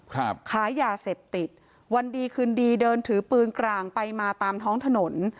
ขายยาเสพติดวันดีคืนดีเดินถือปืนกลางไปมาตามท้องถนน